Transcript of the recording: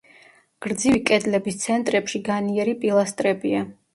გრძივი კედლების ცენტრებში განიერი პილასტრებია.